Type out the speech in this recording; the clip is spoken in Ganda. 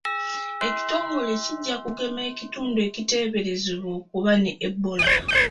Ekitongole kijja kugema ekitundu ekiteeberezebwa okuba ne Ebola.